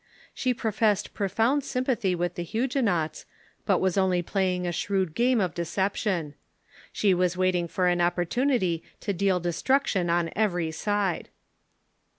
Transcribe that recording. She professed profound s^mi pathy with the Huguenots, but Avas only playing a shrcAvd game of deception. She Avas waiting for an opportunity to deal destruction on every side.